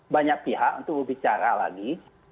banyak pihak untuk berbicara lagi